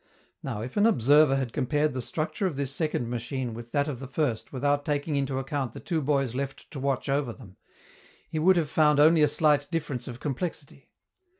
Now, if an observer had compared the structure of this second machine with that of the first without taking into account the two boys left to watch over them, he would have found only a slight difference of complexity.